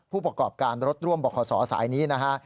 ผู้ประกอบการรถร่วมบขสายนี้นะฮะ